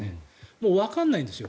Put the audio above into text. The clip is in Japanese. もうわからないんですよ。